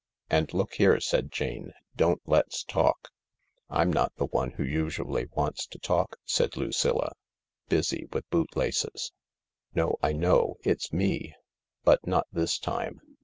"And look here/' said Jane, "don't let's talk." " I'm not the one who usually wants to talk/' said Lucilla, busy with bootlaces. "No. I know. It's me. But not this time.